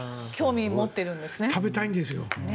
食べたいんですよ。